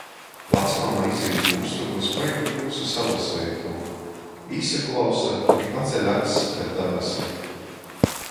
Vacmama izīt nu ustobys pajimt myusu salaseitū, īsaklausa i paceļ acs pret dabasim.